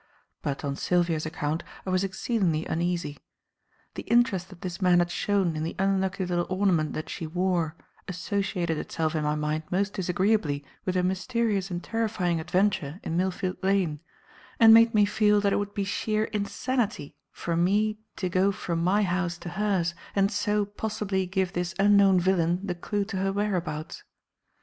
But on Sylvia's account I was exceedingly uneasy. The interest that this man had shown in the unlucky little ornament that she wore, associated itself in my mind most disagreeably with her mysterious and terrifying adventure in Millfield Lane, and made me feel that it would be sheer insanity for me to go from my house to hers and so possibly give this unknown villain the clue to her whereabouts.